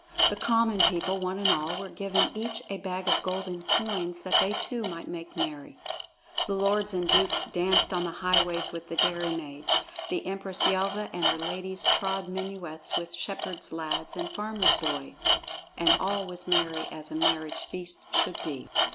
The common people, one and all, were given each a bag of golden coins that they too might make merry. The lords and dukes danced on the highways with the dairymaids; the Empress Yelva and her ladies trod minuets with shepherd lads and farmer boys, and all was merry as a marriage feast should be.